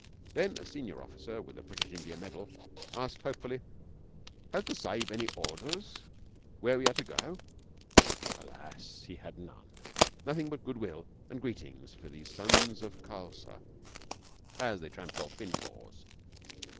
Then a senior officer with a British India medal asked hopefully: 'Has the Sahib any orders where we are to go?' Alas he had none nothing but goodwill and greetings for the sons of the Khalsa, and they tramped off in fours.